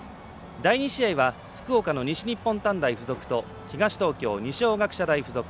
第２試合は、福岡の西日本短大付属と東東京、二松学舎大付属。